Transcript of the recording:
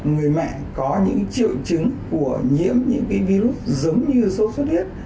người mẹ có những triệu chứng của nhiễm những virus giống như sâu suất điết